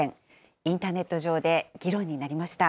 インターネット上で議論になりました。